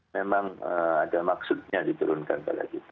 memang ada maksudnya diturunkan ke lagi